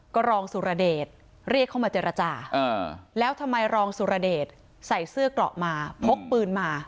ก็รองสุรเดชเรียกเข้ามาเจรจาแล้วทำไมรองสุรเดชใส่เสื้อเกราะมาพกปืนมา